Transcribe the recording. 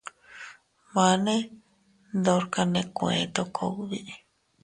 Mane ndorka nee kueeto kugbi.